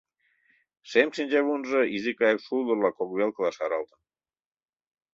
Шем шинчавунжо изи кайык шулдырла кок велкыла шаралтын.